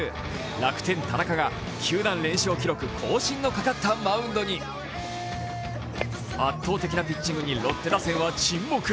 楽天・田中が球団連勝記録更新にかかったマウンドに、圧倒的なピッチングにロッテ打線は沈黙。